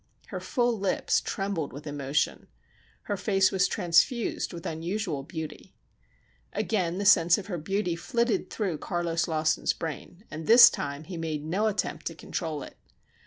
Her full lips trembled with emotion. Her face was transfused with unusual beauty. Again the sense of her beauty flitted through Carlos Lawson's brain, and this time he made no attempt to control it.